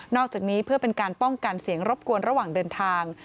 อกจากนี้เพื่อเป็นการป้องกันเสียงรบกวนระหว่างเดินทาง